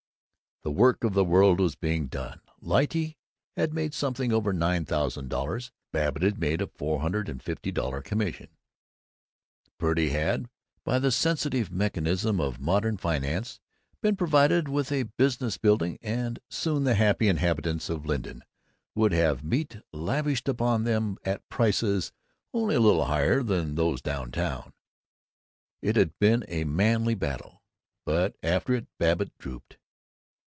The work of the world was being done. Lyte had made something over nine thousand dollars, Babbitt had made a four hundred and fifty dollar commission, Purdy had, by the sensitive mechanism of modern finance, been provided with a business building, and soon the happy inhabitants of Linton would have meat lavished upon them at prices only a little higher than those down town. It had been a manly battle, but after it Babbitt drooped.